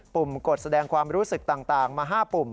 ุ่มกดแสดงความรู้สึกต่างมา๕ปุ่ม